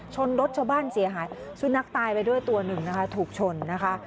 ชนรถชาวบ้านเสียหายสุนัขตายไปด้วยตัวหนึ่งนะคะถูกชนนะคะ